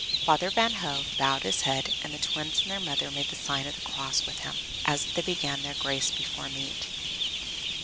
Father Van Hove bowed his head, and the Twins and their mother made the sign of the cross with him, as he began their grace before meat.